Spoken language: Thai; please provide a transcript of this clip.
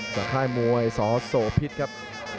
ค่ายมวยสโสพิษครับ